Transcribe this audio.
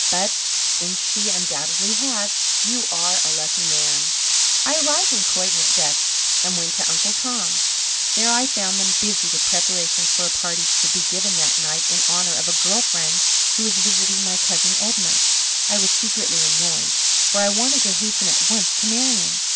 But, since she undoubtedly has, you are a lucky man." I arrived in Croyden at dusk and went to Uncle Tom's. There I found them busy with preparations for a party to be given that night in honour of a girl friend who was visiting my cousin Edna. I was secretly annoyed, for I wanted to hasten at once to Marian.